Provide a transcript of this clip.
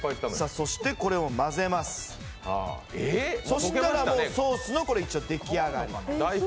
そしたらもうソースの出来上がり。